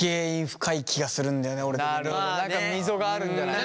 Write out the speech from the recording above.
何か溝があるんじゃないか。